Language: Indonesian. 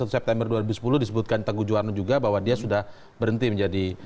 satu september dua ribu sepuluh disebutkan teguh juwarno juga bahwa dia sudah berhenti menjadi